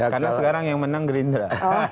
karena sekarang yang menang gerindra